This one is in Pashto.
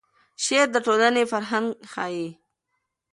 شعر د ټولنې فرهنګ ښیي.